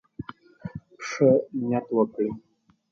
ښه نيت وکړئ.